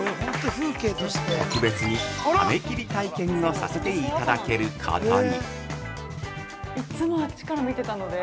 特別に、あめ切り体験をさせていただけることに。